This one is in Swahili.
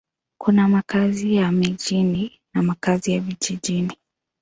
Kuna makazi ya mjini na makazi ya vijijini.